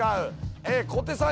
小手さん。